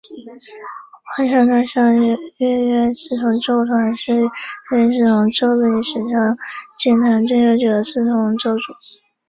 布商大厦弦乐四重奏团是弦乐四重奏历史上建团最悠久的四重奏组。